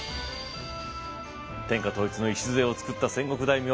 天下統一の礎を作った戦国大名